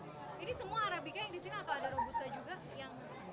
jadi semua arabica yang di sini atau ada robusta juga